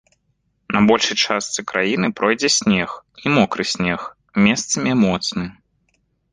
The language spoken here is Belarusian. На большай частцы краіны пройдзе снег і мокры снег, месцамі моцны.